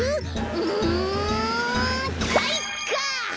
うんかいか！